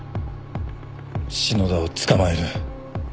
篠田を捕まえる。